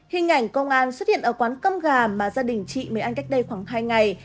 hình ảnh công an xuất hiện ở quán cơm gà mà gia đình chị mới anh cách đây khoảng hai ngày